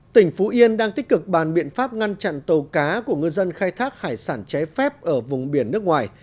tỉnh phú yên đang tích cực bàn biện pháp ngăn chặn tàu cá của ngư dân khai thác hải sản trái phép ở vùng biển nước ngoài